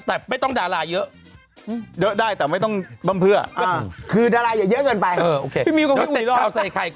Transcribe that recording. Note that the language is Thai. แต่ไม่ต้องด่าลายเยอะได้แต่ไม่ต้องบำเผื่อคืนรหายเยอะเชินไปพร้อมเอาใส่ไข่